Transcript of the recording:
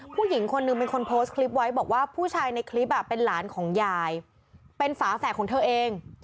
ผู้หญิงคนหนึ่งเป็นคนโพสต์คลิปไว้บอกว่าผู้ชายในคลิปเป็นหลานของยายเป็นฝาแฝดของเธอเอง